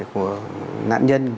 của nạn nhân